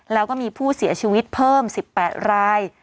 แล้วก็มีผู้เสียชีวิตเพิ่ม๑๘ราย